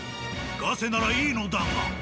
ガセならいいのだが。